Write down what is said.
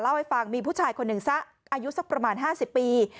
เล่าให้ฟังมีผู้ชายคนหนึ่งซะอายุสักประมาณ๕๐ปี